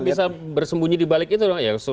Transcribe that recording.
tapi tidak bisa bersembunyi dibalik itu